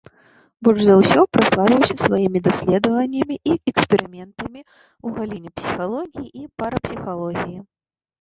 Больш за ўсё праславіўся сваімі даследаваннямі і эксперыментамі ў галіне псіхалогіі і парапсіхалогіі.